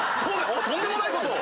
とんでもないことを！